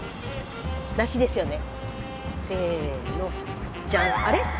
梨ですよね。